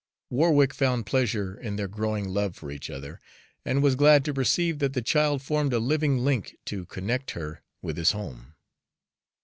Warwick found pleasure in their growing love for each other, and was glad to perceive that the child formed a living link to connect her with his home.